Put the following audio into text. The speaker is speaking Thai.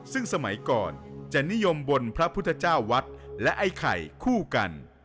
ซึ่งสมัยก่อนจะนิยมบนพระพุทธเจ้าวัดและไอ้ไข่คู่กัน